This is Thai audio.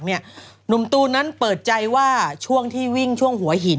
หนุ่มตูนนั้นเปิดใจว่าช่วงที่วิ่งช่วงหัวหิน